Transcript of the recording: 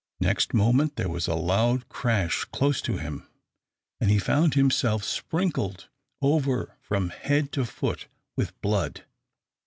Next moment there was a loud crash close to him, and he found himself sprinkled over from head to foot with blood.